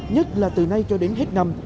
nhất là từ nay cho đến hết năm